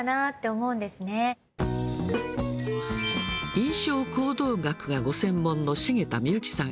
印象行動学がご専門の重田みゆきさん。